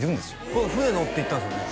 これ船乗っていったんですよね？